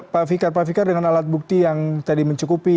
pak fikar pak fikar dengan alat bukti yang tadi mencukupi